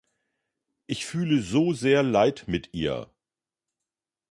Ich fühle so sehr leid mit ihr!